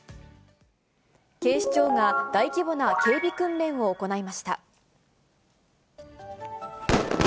警視庁が大規模な警備訓練を行いました。